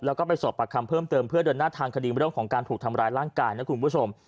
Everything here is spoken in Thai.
แล้วก็ไปสอบปากคำเพิ่มเติมเพื่อเดินหน้าทางคดีเรื่องของการถูกทำร้ายร่างกายนะคุณผู้ชม